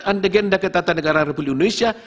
anda mengendalikan tata negara republik indonesia